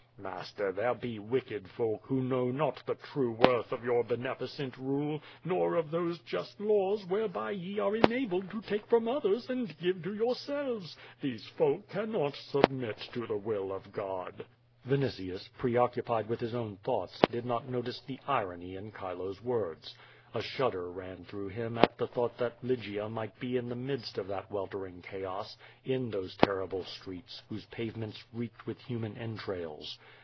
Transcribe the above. Master, there be wicked folk 2^2 Q^^ VADIS. who know not the true worth of your beneficent rule, nor of those just laws whereby ye are enabled to take from others and give to yourselves. These folk cannot submit to the will of God." Vinitius, pre occupied with his own thoughts, did not no tice the irony in Chilo's words. A shudder ran through him at the thought that Lygia might be in the midst of that weltering chaos, in those terrible streets, whose pavements reeked with human entrails.